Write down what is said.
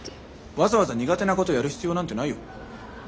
わざわざ苦手なことやる必要なんてないよ。